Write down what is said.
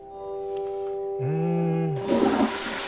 うん。